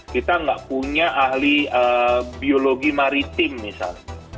kita nggak punya ahli biologi maritim misalnya